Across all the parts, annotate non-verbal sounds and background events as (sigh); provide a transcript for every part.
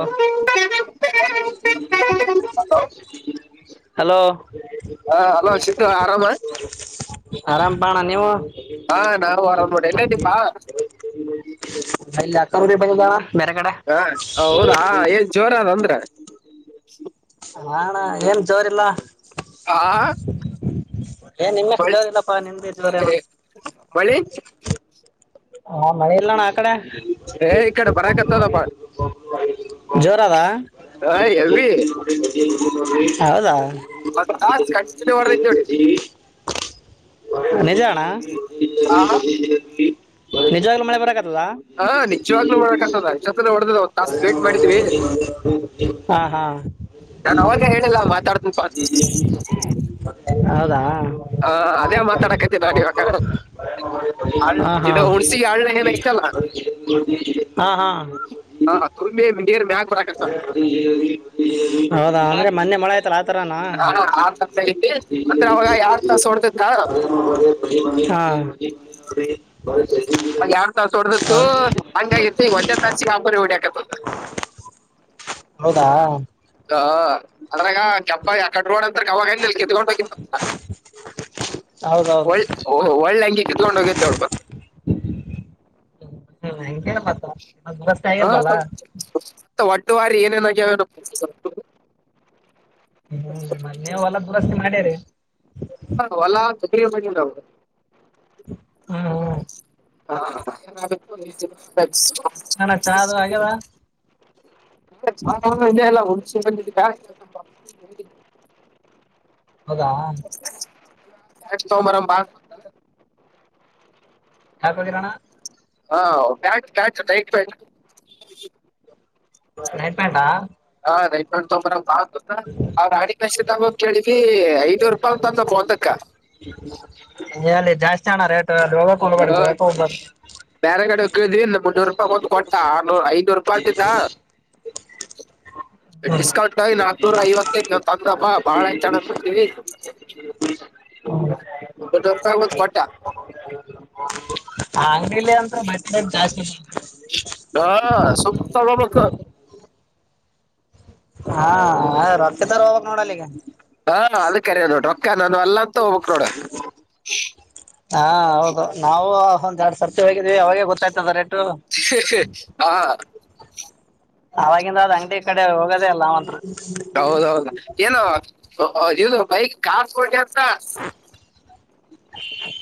ಹಾ. ಹಲೋ. ಹ ಅಲೋ ಸಿದ್ದ ಆರಾಮ. ಆರಾಮ್ ಪೆ ಅಣ್ಣ ನೀವು. ಹಾ ನಾವು ಆರಾಮ್ ನೋಡ ಎಲ್ಲ ಇದ ದೀಪಾ. ಅಲ್ಲಿ ಅಕ್ರ ಮನಿಗೆ ಬದ. (inaudible) ಬೇರೆಗಡೆ. ಹ ಹೌದಾ ಏನ್ ಜೋರ ಅದ ಅಂದ್ರೆ. (inaudible) ಬಾ ಅಣ್ಣ ಏನ್ ಜೋರಿಲ್ಲ. ಹಾ. ಏನ್ ನಿಮ್ಮಕ್ ಜೋರ್ ಇಲ್ಲಪ್ಪಾ ನಿಮ್ದೇ ಜೋರ ಏನ. ಮಳಿ ಹಾ ಮಳೆ ಇಲ್ಲಣ್ಣ ಆ ಕಡೆ. ಏ ಈ ಕಡೆ ಬರಕತದ ಹ ಜೋರದ ಹೆವಿ. (inaudible) ಹೌದಾ ಒಂದ್ ತಾಸ್ ಕಂಟಿನ್ಯೂ ಹೊಡದೈತ್ ನೋಡಿ ನೀಜಾಣ. ಆ ನಿಜಾಗ ಮಳೆ ಬರ್ಕ್ ಅಲ್ಲ ಹಾ ನಿಜವಾಗ್ಲೂ ಮಾಡಕತ್ತದ ಇಷ್ಟೊತ್ತನ ಹೊಡೆದ ಒಂದ್ ತಾಸ್ ವೇಟ್ ಮಾಡಿದ್ವಿ ಹಾ ಹಾ. ನಾನು ಅವಾಗ ಹೇಳಿಲ್ಲ ಮಾತಾಡ್ತೀನಿಪಾ ಅಂತ. ಹೌದಾ. ಹ ಅದೇ ಮಾತಾಡಕತಿ ನಾ ಇವ ಹಾ ಹಾ ಹ. ಹಾ ಹಾ. ಹಾ. ಹೌದಾ ಅಂದ್ರೆ ಮೊನ್ನೆ ಮೊಳೆ ಆಯ್ತಲ್ಲ ಆತರಾನ ಆರ್ ತಾಸ ಐತಿ ಅಂದ್ರ ಅವಾಗ ಎರಡ್ ತಾಸ ಹೊಡ್ದಿತ್ತ ಅವಾಗ ಹಾ. ಎರಡ್ ತಾಸ (unintelligible) ಚಾಪುರ್ ಹೊಡಿಯಾಕ ಹತತ. ಹೌದಾ. ಹ ಅದ್ರಾಗ ಚಪ್ಪ ಯಕಡ ರೋಡ. (unintelligible) (inaudible) ೊಂಡ ಹೌದೌದು ಒ ಓ ಒಳ್ಳಂಗಕೊಂಡ ಎೊಂಡು. (inaudible) ಹ. (unintelligible) ಆಗಿಲ್ವಲ್ಲ. ಮತ್ತ ಒಟ್ಟ ವಾರಿ ಏನೇನಾಗ್ಯಾವೇನೋ. ಹ್ಮು ಮೊನ್ನೆ ಹೊಲ ದುರಸ್ತಿ ಮಾಡ್ಯರಿ. ಹ ಹೊಲಾ (unintelligible) ಹಾ ಹಾ. ಹಾ ಅಣ್ಣ ಚಾ ಅದು ಆಗ್ಯದ (unintelligible) (unintelligible) (unintelligible) (unintelligible) ಹೌದಾ ನೆಕ್ಸ್ಟ್ ತಗೊಂಡ್ ಬರೋಮ್ ಬಾ. ಯಾಕ್ ಒದಿರಣ್ಣಾ. ಹಾ (unintelligible) ನೈಟ್ ಪ್ಯಾಂಟಾ. ಹಾ ನೈಟ್ ಪ್ಯಾಂಟ್ ತೊಗೊಂಬರುನ್ ಬಾ. (unintelligible) ಐದನೂರು ರೂಪಾಯಿ ಅಂತ್ ಅಂದ ಒಂದಕ್ಕ. ಎಲ್ಲಿ ಜಾಸ್ತಿ ಅಣ್ಣಾ ರೇಟ್. ಹ ರೊಕ್ಕಾ ಕೊಡಬ್ಯಾಡ್ರಿ ಆ, ಬರಾಕ ಹೋಗಬ್ಯಾಡ್ರಿ. ಬ್ಯಾರೆ ಕಡೆ ಹೋಗ್ ಕೇಳಿದ್ವಿ ಮುನ್ನೂರು ರೂಪಾಯಿ ಹೋದು ಕೊಟ್ಟ ಆರನೂರ, ಐದನೂರು ರೂಪಾಯಿ ತಿಂದಾ ಹ್ಮ್ ಡಿಸ್ಕೌಂಟ್ ಆಗಿ ನಾಕನೂರ ಐವತಕೆ ತಂದಪಾ ಬಾಳ (unintelligible) ಮುನ್ನೂರ ರೂಪಾಯಿಗಿ ಒಂದ ಕೊಟ್ಟ. ಆ ಲ್ಲಿ ಅಂದ್ರ (unintelligible) ಅ ಹಾ ಸುಮ್ ತಗೋಬೇಕ. ಹಾ ರೊಕ್ ಇದ್ದವರ ಹೋಗ್ಬೇಕ ನೋಡ ಅಲ್ಲಿಗ. ಹಾ ಅದ ಕರೆ ನೋಡ ರೊಕ್ಕ ನನ್ನು ಅಲ್ಲ ಅಂತ ಹೋಗ್ಬೇಕ್ ನೋಡ. ಹಾ ಹೌದು ನಾವ ಹೊಂದ್ ಯಾಡ್ ಸರ್ತಿ ಹೋಗಿ ಅವಾಗೇ ಗೊತ್ತಾಯ್ತದೆ ರೇಟು. ಹಾ ಅವವಾಗಿಂದ ಅದ್ ಅಂಗಡಿ ಕಡೆ ಹೋಗೋದೇ ಇಲ್ಲ ನಾವಂತ್ರು. ಹೌದೌದು ಏನು? ಇದು ಬೈಕ್ ಕಾರ್ ತಗೊಂಡಂತ?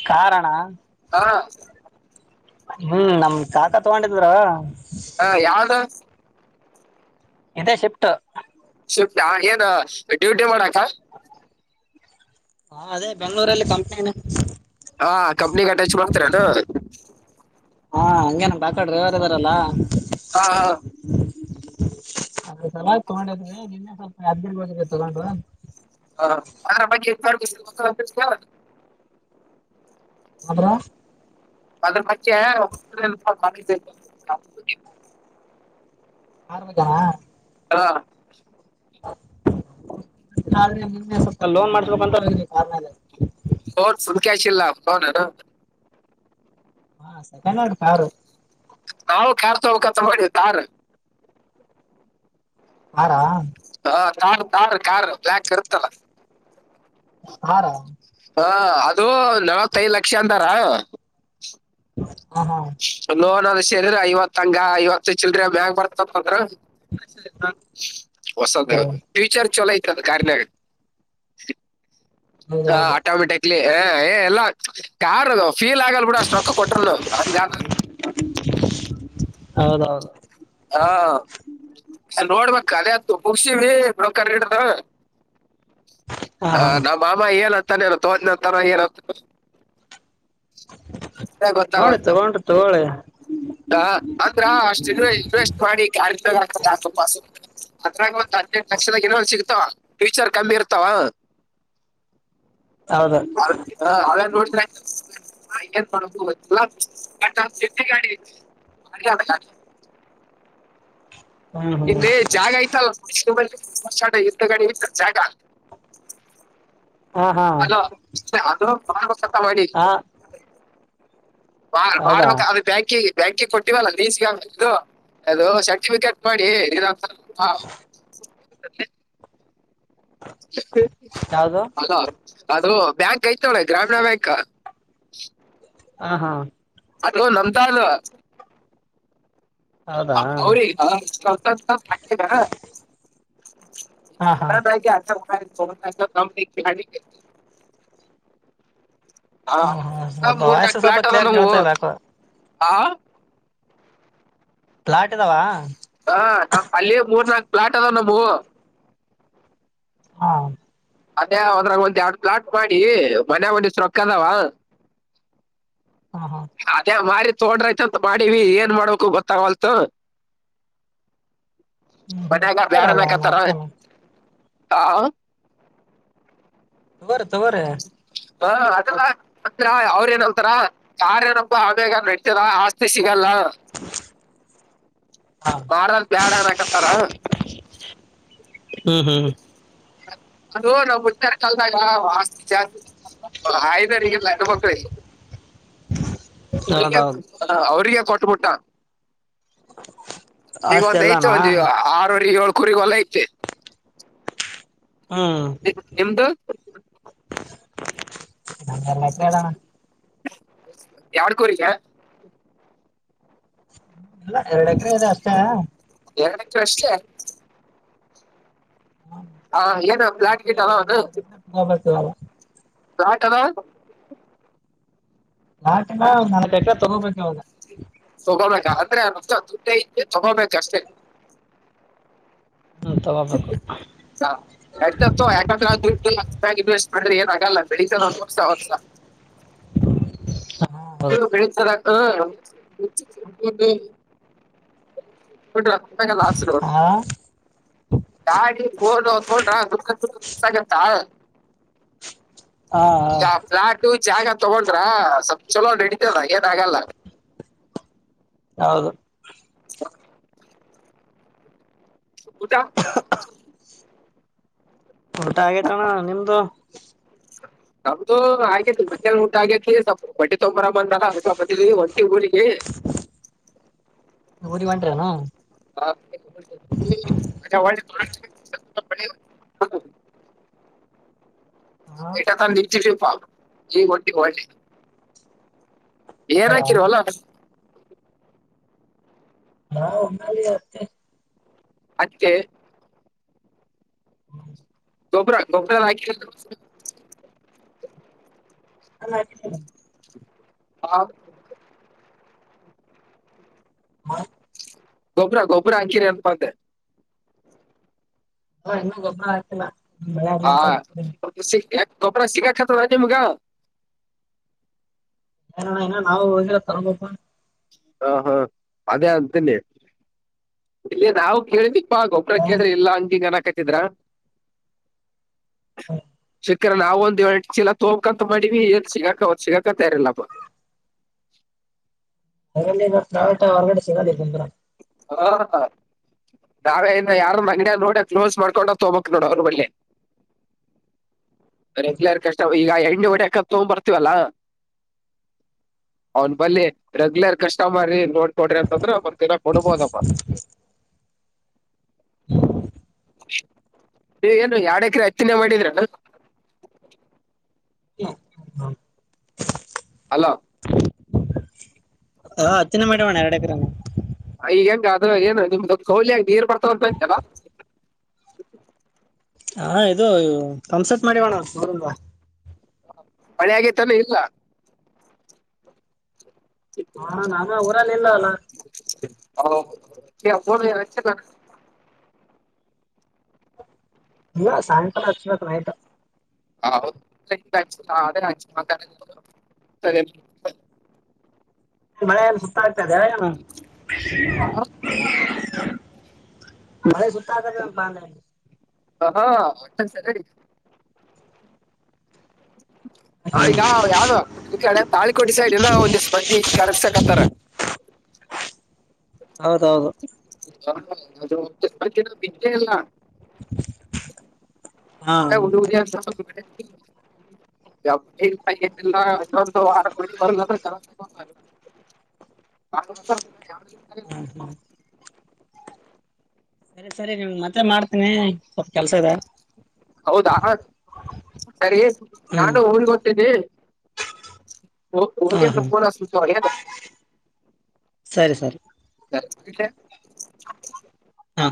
ಕಾರಣ್ಣಾ? ಹಾ ಹ್ಮ್ ನಮ್ಮ ಕಾಕಾ ತಗೊಂಡಿದ್ರ ಹಾ ಯಾವ್ದು? ಇದೆ ಶಿಫ್ಟು. ಶಿಫ್ಟ ಏನ್ ಡ್ಯೂಟಿ ಮಾಡಕ್ ಹಾ ಹಾ ಅದೇ ಬೆಂಗಳೂರಲ್ಲಿ ಕಂಪನಿ ಅಣ್ಣಾ. ಹಾ ಕಂಪ್ನಿಗ್ ಅಟ್ಯಾಚ್ ಮಾಡ್ತಾರೇನು? ಹಾ ಹಂಗೇನ ಕಾಕಾ ಡ್ರೈವರ್ ಅದಾರಲ್ಲ ಹಾ ಹಾ (inaudible) (unintelligible) ತಗೊಂಡಿದ್ವಿ ನಿನ್ನೆ ಸ್ವಲ್ಪ ಯಾದಗಿರಿಗೆ ಹೋಗಿದ್ರಿ ತೊಗೊಂಡ್ರಾ? (unintelligible) ಹೋದ್ರಾ ಅದರ (unintelligible) ಆರ ಮಂದ್ಯಾನ? ಹಾ ಆದ್ರೆ ನಿನ್ನೆ ಸ್ವಲ್ಪ ಲೋನ್ ಮಾಡ್ಸ್ಬೇಕು ಅಂತ ಬಂದ್ವಿ. (unintelligible) ಕ್ಯಾಶಿಲ್ಲ ಫೋನಿಡು. ಆ ಸೆಕೆಂಡ್ಯಾಂಡ್ಕಾರು. ನಾವು ಕಾರ್ ತಗೋಬೇಕಂತ ಮಾಡಿವಿ ಕಾರು ಕಾರಾ ತಾರ್ ತಾರ್ ಕಾರ್ ಬ್ಲಾಕ್ ಇರುತ್ತಲ್ಲ. ತಾರಾ ಹಾ ಅದು ನವತ್ತೈದ್ ಲಕ್ಷ ಅಂದಾರ ಹ (unintelligible) ಲೋನಲ್ ಚದುರ ಐವತ್ಂಗ ಐವತ್ತು ಚಿಲ್ರಿ ಮ್ಯಾಗ ಬರ್ತತ್ಂದ್ರ. ಹೊಸ ಫೀಚರ್ ಚೊಲೊ ಐತಂಥ ತಾರ್ನ್ಯಾಗ. (inaudible) ಚ ಹೌದೌದು ಆಟೊಮಿಟಕ್ಲಿ ಎ ಎ ಇಲ್ಲಾ ಯಾರ್ ಅದು. ಫೀಲ್ ಆಗಲ್ಲ ಬಿಡು ಕೂಡ ಅಷ್ಟ ರೊಕ್ಕ ಕೊಟ್ಟರಿಲ್ಲೊ ಹಂಗಾತ್. ಹೌದೌದು ಹಾ ಸರ್ ನೋಡ್ಬೇಕ್. (unintelligible) ಹಾ ಆ ಹಾ ನಮ್ ಮಾಮ ಏನ (unintelligible) ನೋಡಿ ತಗೊಂಡ್ ತಗೊಳ್ಳಿ. ಹ ಅಂದ್ರ್ ಅಷ್ಟ ಏನೋ ಇನ್ವೆಸ್ಟ್ ಮಾಡಿ (unintelligible) ಆತ್ರಾಗ್ ಒಂದ್ ಹದಿನೆಂಟ ಲಕ್ಷದಾಗ ಏನೋ ಒಂದ್ ಸಿಗತಾವ. ಫಿಚ್ಚರ್ ಕಮ್ಮಿ ಇರ್ತಾವ. ಹೌದು (unintelligible) (unintelligible) ಹ್ಮ್ ಹ್ಮ್ ಇಲ್ಲಿ ಜಾಗ ಆಯ್ತಿ ಅಲ್ಲಾ (unintelligible) ಹಾ ಹಾ ಹಲೋ (unintelligible) ಅದು ತರಾರಸ್ ಹಾ (unintelligible) ಬಾಳ್ ಬಾಳ್ ಹೌದಾ (unintelligible) ಬ್ಯಾಂಕಿಗಿ. ಬ್ಯಾಂಕಿಗೆ ಕೊಟ್ಟಿವಲ್ಲ (unintelligible) ಅದು ಸರ್ಟಿಫಿಕೇಟ್ ಮಾಡಿ ಹಾ ಮತ್ತೆ ಯಾವ್ದು ಹಲೋ ಅದು ಬ್ಯಾಂಕ್ ಅಯ್ತಿ ನೋಡ್ ಗ್ರಾಮೀಣ ಬ್ಯಾಂಕ್. (inaudible) ಆ ಹಾ. ಅದು ನಮ್ದ್ ಅದ್. ಹೌದಾ (unintelligible) (unintelligible) ಕ ಹಾ ಹಾ (unintelligible) ಹ್ಮ ಹ್ಮ ಹಾ ಸ್ವಲ್ಪ ವಯಸ್ಸ ಮೂರ್ನಾಲ್ಕು ಸ್ವಲ್ಪ ಪ್ಲಾಟ್ ಅದ ಕ್ಲಿಯರ್ ನಮುವು. ಕೇಳ್ತಾ ಇಲ್ಲ ಯಾಕೋ ಆ ಪ್ಲಾಟ್ ಇದಾವ ಹ ಅಲ್ಲಿ ಮೂರ್ನಾಲ್ಕು ಫ್ಲಾಟ್ ಅದವ್ ನಮವು ಹಾ ಅದೇ ಅದ್ರಾಗ ಒಂದೆರಡ್ ಪ್ಲಾಟ್ ಮಾಡಿ ಮನೆಗೊಂದಿಷ್ಟ್ ರೊಕ್ಕ ಅದಾವ. ಹಾ ಹಾ ಅದ ಮಾಡ ತೋಡ್ರೈತಂತ ಬಾಡೀಲಿ ಏನ್ ಮಾಡ್ಬೇಕು ಗೊತ್ತಾಗೊಲ್ತು. ಹ್ಮ್ (unintelligible) ತಗೋರಲ್ಲ ಅವನು ಅನಾಕತರ ಅದಕೇನ ಹಾ ಬರ ತೊಗೋರಿ. ಹ ಅದೆಲ್ಲ (unintelligible) ಅವ್ರ ಏನ್ ಅಂತಾರ ಯಾರೇನಬ ಆಮೇಂಗ ನಡ್ತದ ಆಸ್ತಿ ಸಿ ಲ್ಲ ಹ್ಮ್ ಮಾರದ್ ಬ್ಯಾಡ ಅನಕತಾರ. ಹ್ಮ್ ಹ್ಮ್ ಅದು ನಾ ಉತ್ತರ (unintelligible) ಹಯ್ದರಿಗೆಲ್ಲಗಬ್ರ (unintelligible) ಹೌದೌದು ಅವ್ರಿಗೆ ಕೊಟ್ಬುಟ್ಟ. ಈಗ ಒಂದ್ ಐತ ಅಷ್ಟೆಲ್ಲಾನ ಒಂದು ಆರೂವರಿ ಏಳ್ ಕುರಿಗೊಲೖತೆ. ಹ್ಮ್ ನಿಮ್ದ್ ನನ್ (unintelligible) ಲ್ಲಣ ಯಾರ್ಡ್ ಕುರಿಗೆ. (inaudible) ಇಲ್ಲ ಎರಡೆಕರೆ ಇದೆ ಅಷ್ಟೇ. ಎರಡಕ್ರೇ ಅಷ್ಟೇ ಹಾ ಏನ ಫ್ಲಾಟ್ ಗೀಟೆಲ್ಲ ಹ ಹ ರಾಕದಾವ್ ನಾಲ್ಕ ನಾಲ್ಕು ಎಕ ತಗೋಬೇಕ ಅವಾಗ. ತೋಗಬೇಕು (unintelligible) ತೋಗಬೇಕು ಅಷ್ಟೇ. ಹ್ಮ್ ತಗೋಬೇಕು ತ ಎಕ (unintelligible) ಅಂದ್ರೆ ಏನು ಆಗಲ್ಲ. ಬೆಳಿತನ ಅವನು ವರ್ಸ ವರ್ಸ. ಹೌದು ಇವರು ಬೆಳಿತಾರ. ಹ್ಮ ಹ್ಮ. (unintelligible) Last road. ಹಾ ಗಾಡಿ ಬೋಡ್ ತೋಡ್ರ ದುಡ್ಡಡ್ಸಾಗತ್ತಾ. ಹಾ ಚಾಪ್ಲಾಟು. ಜಾಗ ತೊಗೊಂಡ್ರ ಸ್ವಲ್ಪ ಚಲೋ ನೆಡಿತದ ಏನು ಆಗಲ್ಲ. ಹೌದು. (inaudible) ಊಟ ಊಟ ಆಗೆತಣ್ಣ ನಿಮ್ದು. ನಮ್ದು ಆಗೇತಿ ಮಧ್ಯಾನ ಊಟ ಆಗ್ಯತಿ ಸ್ವಲ್ ಬಟ್ಟಿ ತೊಂಬರ ಬಂದಾಗ ಅಲ್ಪ ಬಂದಿವಿ ಒಂಟಿ ಊರಿಗೆ. ಊರಿಗ್ ಹೊಂಟ್ರೇನ. (unintelligible) (unintelligible) (unintelligible) (unintelligible) ಹಾ ಪ ಈಗ ಒಂಟಿವಿ ಒಳ್ಳಿ. ಏನ್ ಹಾಕಿರಿ ವಲ. ನಾವು ಹಾ ಹೊನ್ನಾಲಿ ಅತ್ತಿ. ಅಕ್ಕೆ. ಹ್ಮ್ ಗೊಬ್ಬರ ಗೊಬ್ಬರನ ಹಾಕಿರಿಲ್ಲ. (unintelligible) ಹಾ ಹಾ ಗೊಬ್ಬ್ರ ಗೊಬ್ಬ್ರ ಆಕಿರೇನಪಂದೆ. ಹ ಇನ್ನು ಗೊಬ್ರಾ ಆಕಿಲ್ಲ. ಹಾ (unintelligible) ಗೊಬ್ರ ಸಿಗ್ಗಾಕ್ಕತದನು ನಿಮ್ಗ. ಏನ ಇನ್ನು ನಾವು ಹೋಗಿಲ್ಲ ತರಬೇಕು. ಹಾ ಹಾ ಅದೇ ಅಂತನೆ ಇಲ್ಲಿ ನಾವು ಕೇಳಿ ಪಾ ಗೊಬ್ಬರ ಕೇಳಿದ್ರ ಇಲ್ಲ ಅಂತಿಗನಕ ಜಿಬ್ರಾ ಹ ಸಿಕ್ಕ್ದ್ರೆ ನಾವೊಂದ್ ಎರ್ಡ್ ಚೀಲ ತೋಕಂತ ಮಾಡಿವಿ ಎಲ್ಸಿಗಾಕ ಅವತ್ ಸಿಗಾಕಯಿರಲ್ಲಪ್ಪ ಇಲ್ಲಿ ವ (unintelligible) ಹೊರಗಡೆ ಸಿಗಲ್ಲಂದ್ರ. ಹಾ ಹಾ ನಾವೇ ಇನ್ನ ಯಾರನ್ ಅಂಗಡಿಯ ನೋಡ ಕ್ಲೋಸ್ ಮಾಡ್ಕೊಂಡೋಗ್ ತಗೊಬೇಕ್ ನೋಡು ಅವ್ರ ಬಳಿ. ರೆಗ್ಯುಲರ್ ಕಸ್ಟಮರ್ ಈಗ ಎ ಹಿಂಗ ಹೊಡ್ಯಾಕ್ ತೊಂಡ್ ಬರ್ತವಲ್ಲ ಅವನ್ ಬರ್ಲಿ ರೆಗ್ಯುಲರ್ ಕಸ್ಟಮರೀ ನೋಡ್ ಕೊಡ್ರಿ ಅಂತಂದ್ರೆ ಬರ್ತ ಕೊಡಬೋದಪ್ಪ. ರೀ ಏನ್ರಿ ಯಾರ್ಡ್ ಎಕ್ರ ಹತ್ತೀನೇ ಮಾಡಿದ್ರೇನು. ಹಲೋ ಹ ಹತ್ತಿನೆ ಮಾಡೆವಣ್ಣ ಎರಡ್ ಎಕ್ರೆನು. ಈಗ ಹೆಂಗ ಅದ್ರಗೇನು ನಿಮ್ದೊ ಕೋಲಿಯಗ ನೀರ್ ಬರ್ತಾವಂತಂತೆಲ್ಲ. ಹಾ ಇದು ಪಂಪ್ಸೆಟ್ ಮಾಡಿವಣ ನೋಡನ್ಬಾ. ಮಳೆ ಆಗೈತೆನ್ ಇಲ್ಲ. ನಾನು ಊರಲ್ಲಿ ಇಲ್ಲ ಅಲ್ಲ ಹ (unintelligible) ಇಲ್ಲ ಸಾಯಂಕಾಲ ಹಚ್ಬೇಕು ನೈಟು. (unintelligible) ಮಳೇನು ತ್ತದೇನು ಮಳೆ ಸ ಕಾದದು ಬಾಂದೇಳಿ ಹಾ (unintelligible) ಸರ್ ಹೇಳಿ. ಹ ಈಗ ಯಾವ್ದೊ ಈ ಕಡೆ ತಾಳಿಕೋಟೆ ಸೈಡ್ ಎಲ್ಲ ಒಂದಷ್ಟ್ ಮಂದಿ ಕರೆಕ್ಸಕತ್ತಾರ. ಹೌದೌದು (unintelligible) ಬಿದ್ದೆ ಇಲ್ಲ. ಹಾ (unintelligible) ಅ ಉಡಿ ಉಡಿ (unintelligible) (inaudible) (inaudible) (unintelligible) (unintelligible) ಯ (unintelligible) ಸರಿ ಸರಿ ನಿಮಗ್ ಮತ್ತೆ ಮಾಡ್ತೀನಿ. ಸ್ವಲ್ಪ ಕೆಲ್ಸ ಇದೆ ಹೌದಾ ಸರಿ ಹ್ಮ್ ನಾನು ಊರಿಗ್ ಹೊರ್ಟಿನಿ. ಹಾ ಹಾ ಸರಿ ಸರಿ (inaudible) (unintelligible) (inaudible) ಹಾ